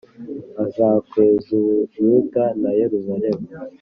Aza kweza u Buyuda na Yerusalemu